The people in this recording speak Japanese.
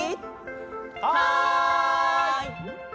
はい！